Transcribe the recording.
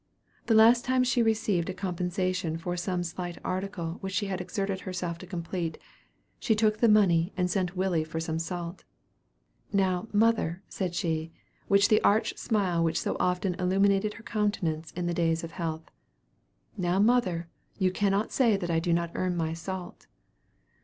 The last time that she received a compensation for some slight article which she had exerted herself to complete, she took the money and sent Willy for some salt. 'Now, mother,' said she, with the arch smile which so often illuminated her countenance in the days of health, 'Now, mother you cannot say that I do not earn my salt.'